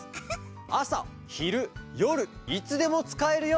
あさひるよるいつでもつかえるよ！